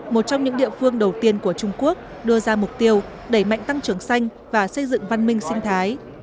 một trong những địa phương đầu tiên của trung quốc đưa ra mục tiêu đẩy mạnh tăng trưởng xanh và xây dựng văn minh sinh thái